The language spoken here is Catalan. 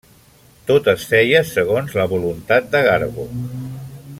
Tot es feia segons la voluntat de Garbo.